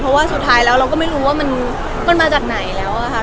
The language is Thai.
เพราะว่าสุดท้ายแล้วเราก็ไม่รู้ว่ามันมาจากไหนแล้วอะค่ะ